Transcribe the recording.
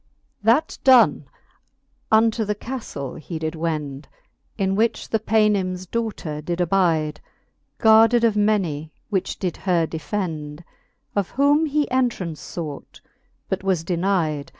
XX. That done, unto the caftle he did wend, In which the Paynims daughter did abide. Guarded of many, which did her defend ; Of whom he entraunce fought, but was denide.